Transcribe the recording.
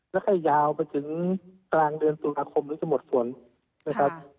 และแค่ยาวไปถึงกลางเดือนสุนาคมมันก็จะหมดฝนนะครับ